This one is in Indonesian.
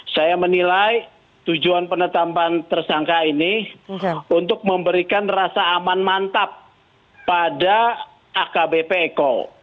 saya menilai tujuan penetapan tersangka ini untuk memberikan rasa aman mantap pada akbp eko